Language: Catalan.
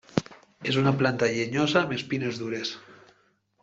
És una planta llenyosa amb espines dures.